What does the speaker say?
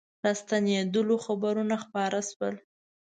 راستنېدلو خبرونه خپاره سول.